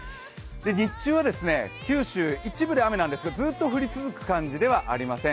日中は九州、一部で雨なんですけれども、ずっと降り続く感じではありません。